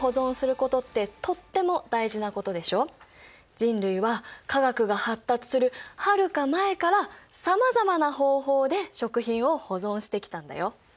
人類は化学が発達するはるか前からさまざまな方法で食品を保存してきたんだよ。